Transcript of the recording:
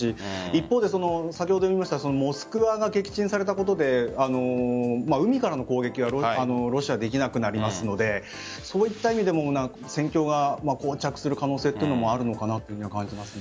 一方で先ほど見ました「モスクワ」が撃沈されたことで海からの攻撃はロシアができなくなりますのでそういった意味でも戦況が膠着する可能性もあるのかなと感じます。